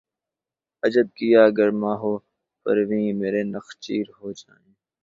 عجب کیا گر مہ و پرویں مرے نخچیر ہو جائیں